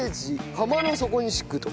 釜の底に敷くと。